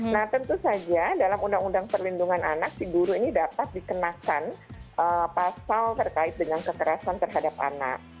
nah tentu saja dalam undang undang perlindungan anak si guru ini dapat dikenakan pasal terkait dengan kekerasan terhadap anak